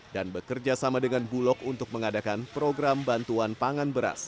bekerja sama dengan bulog untuk mengadakan program bantuan pangan beras